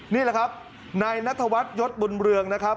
นี่แหละครับนายนัทวัฒนยศบุญเรืองนะครับ